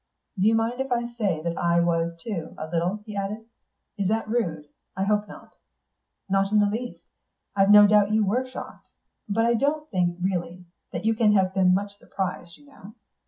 "Do you mind if I say that I was too, a little?" he added. "Is that rude? I hope not." "Not in the least. I've no doubt you were shocked; but I don't think really that you can have been much surprised, you know.